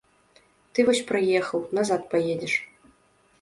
Ты вось прыехаў, назад паедзеш.